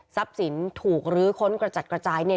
ทรัพย์สินถูกหรือค้นกระจัดกระจายเนี่ย